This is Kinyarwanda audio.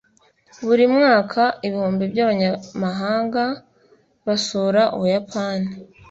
Buri mwaka ibihumbi by'abanyamahanga basura Ubuyapani.